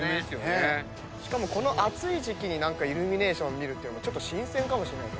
しかもこの暑い時季にイルミネーション見るっていうのも新鮮かもしれない。